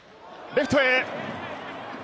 レフトへ。